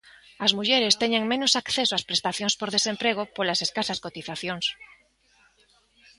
As mulleres teñen menos acceso ás prestacións por desemprego, polas escasas cotizacións.